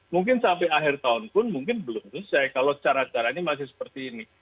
mungkin sampai akhir tahun pun mungkin belum selesai kalau cara caranya masih seperti ini